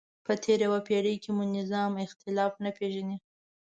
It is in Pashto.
په تېره یوه پیړۍ کې مو نظام اختلاف نه پېژندلی.